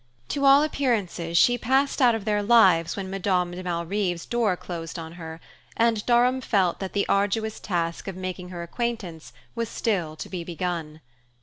To all appearances, she passed out of their lives when Madame de Malrive's door closed on her; and Durham felt that the arduous task of making her acquaintance was still to be begun.